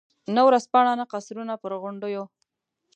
نه ورځپاڼه، نه قصرونه پر غونډیو.